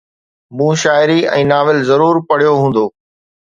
مون شاعري ۽ ناول ضرور پڙهيو هوندو